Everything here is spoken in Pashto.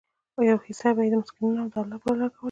يوه حيصه به ئي د مسکينانو او د الله په لاره لګوله